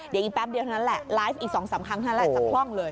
เดี๋ยวแป๊บเดี๋ยวลายฟ์อีก๒๓ครั้งนั่นแหละเคลื่องเลย